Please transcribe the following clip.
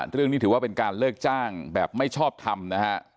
ถือว่าเป็นการเลิกจ้างแบบไม่ชอบทำนะฮะ